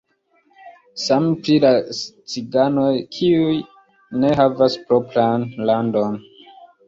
Same pri la ciganoj, kiuj ne havas propran landon.